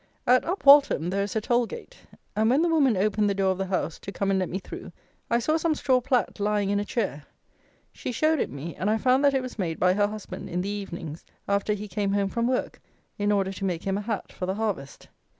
At Upwaltham there is a toll gate, and when the woman opened the door of the house to come and let me through, I saw some straw plat lying in a chair. She showed it me; and I found that it was made by her husband, in the evenings, after he came home from work, in order to make him a hat for the harvest.